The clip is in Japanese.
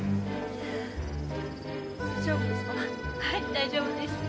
大丈夫ですか？